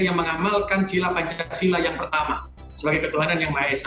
yang mengamalkan sila pancasila yang pertama sebagai ketuhanan yang maha esa